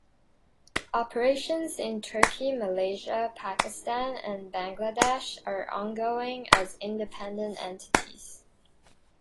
Operations in Turkey, Malaysia, Pakistan and Bangladesh are on-going as independent entities.